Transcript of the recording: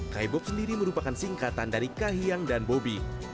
kaibob sendiri merupakan singkatan dari kahiyang dan bobi